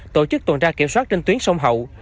tổ chức tuần tra kiểm soát trên tuyến sông hậu